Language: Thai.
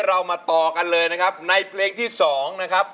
เรามาต่อกันเลยนะครับในเพลงที่๒นะครับ